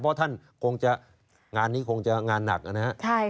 เพราะท่านคงจะงานนี้คงจะงานหนักนะครับ